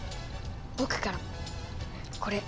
僕からもこれ。